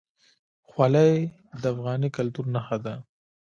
خولۍ د افغاني کلتور نښه ده.